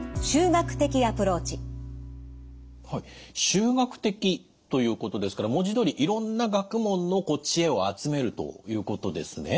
集学的ということですから文字どおりいろんな学問の知恵を集めるということですね？